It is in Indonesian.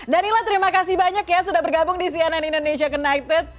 danila terima kasih banyak ya sudah bergabung di cnn indonesia connected